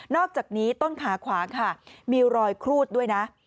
อกจากนี้ต้นขาขวาค่ะมีรอยครูดด้วยนะ